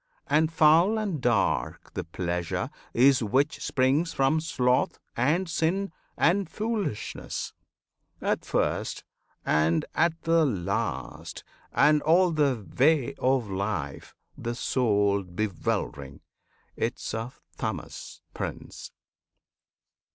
And foul and "dark" the Pleasure is which springs From sloth and sin and foolishness; at first And at the last, and all the way of life The soul bewildering. 'Tis of Tamas, Prince!